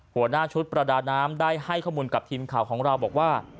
หัวหน้าชุดประดาน้ำได้ให้ข้อมูลกับทีมข่าวของเราบอกว่า